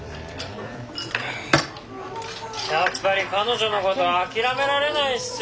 やっぱり彼女のこと諦められないっすよぉ。